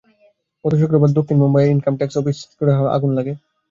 গত শুক্রবার দক্ষিণ মুম্বাইয়ের ইনকাম ট্যাক্স অফিস স্ক্রিনডিয়া হাউসে আগুন লাগে।